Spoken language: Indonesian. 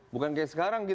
bukan kayak sekarang